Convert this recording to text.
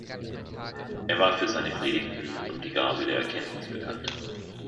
Er war für seine Predigten und die Gabe der Erkenntnis bekannt.